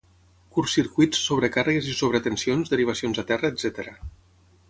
curtcircuits, sobrecàrregues i sobretensions, derivacions a terra etc